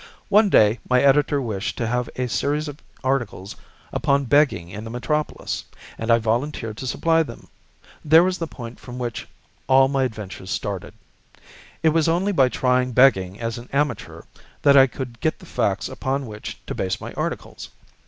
One day my editor wished to have a series of articles upon begging in the metropolis, and I volunteered to supply them. There was the point from which all my adventures started. It was only by trying begging as an amateur that I could get the facts upon which to base my articles.